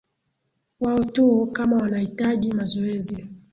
wao tu kama wanaitaji mazoezi